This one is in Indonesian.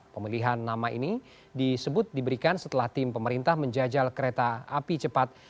pemilihan nama ini disebut diberikan setelah tim pemerintah menjajal kereta api cepat